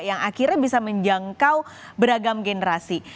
yang akhirnya bisa menjangkau beragam generasi